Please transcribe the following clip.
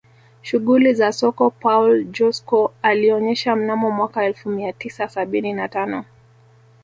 Shughuli za soko Paul Joskow alionyesha mnamo mwaka elfu mia tisa sabini na tano